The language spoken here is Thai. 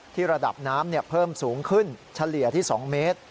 ระดับน้ำเพิ่มสูงขึ้นเฉลี่ยที่๒เมตร